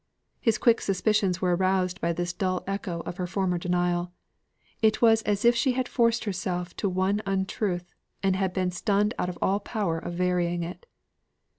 His quick suspicions were aroused by this dull echo of her former denial. It was as if she had forced herself to one untruth, and had been stunned out of all power of varying it.